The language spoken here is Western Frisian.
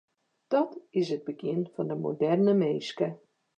Dat is it begjin fan de moderne minske.